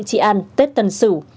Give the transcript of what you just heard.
trị an tết tân sử